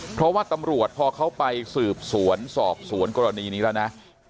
เพราะว่าตำรวจพอเขาไปสืบสวนสอบสวนกรณีนี้แล้วนะ